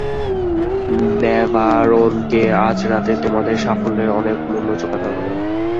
Navarone কে আজ রাতে তোমাদের সাফল্যের অনেক মূল্য চোকাতে হবে।